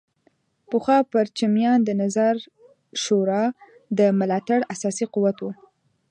پخوا پرچمیان د نظار شورا د ملاتړ اساسي قوت وو.